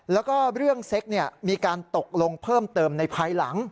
แล้วก็เรื่องเซ็กมีการตกลงเพิ่มเติมในภายหลัง